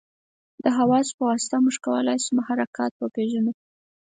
د حواسو په واسطه موږ کولای شو محرکات وپېژنو.